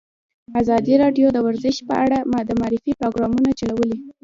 ازادي راډیو د ورزش په اړه د معارفې پروګرامونه چلولي.